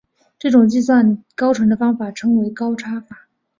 这种计算高程的方法称为高差法。